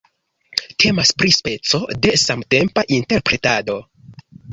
Temas pri speco de samtempa interpretado.